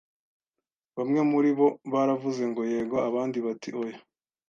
Bamwe muri bo baravuze ngo yego, abandi bati oya.